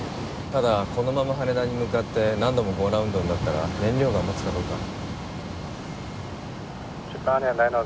ただこのまま羽田に向かって何度もゴーアラウンドになったら燃料が持つかどうか。